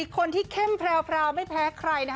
คนที่เข้มแพรวไม่แพ้ใคร